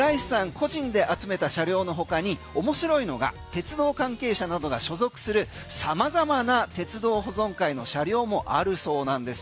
個人で集めた車両のほかに面白いのが鉄道関係者などが所属する様々な鉄道保存会の車両もあるそうなんです。